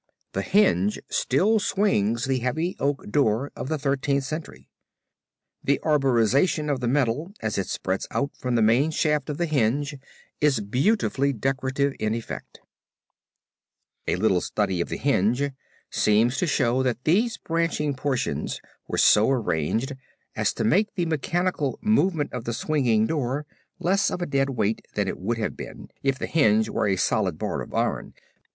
The hinge still swings the heavy oak door of the Thirteenth Century. The arborization of the metal as it spreads out from the main shaft of the hinge is beautifully decorative in effect. {opp112} CLOISTER OF ST. PAUL'S (WITHOUT THE WALLS, ROME) A little study of the hinge seems to show that these branching portions were so arranged as to make the mechanical moment of the swinging door less of a dead weight than it would have been if the hinge were a solid bar of iron.